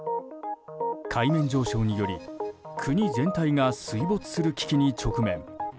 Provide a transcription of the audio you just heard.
海面上昇により国全体が水没する危機に直面。